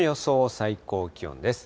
最高気温です。